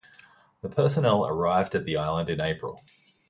The personnel arrived at the island in April.